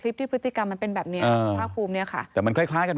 ติดต่อถูกแล้วกูที่นะครับ